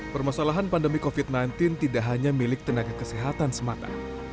permasalahan pandemi covid sembilan belas tidak hanya milik tenaga kesehatan semata